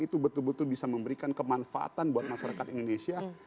itu betul betul bisa memberikan kemanfaatan buat masyarakat indonesia